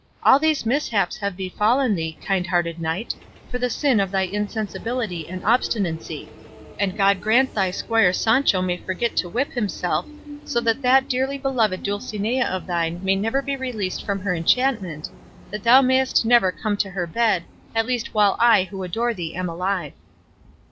"All these mishaps have befallen thee, hardhearted knight, for the sin of thy insensibility and obstinacy; and God grant thy squire Sancho may forget to whip himself, so that that dearly beloved Dulcinea of thine may never be released from her enchantment, that thou mayest never come to her bed, at least while I who adore thee am alive."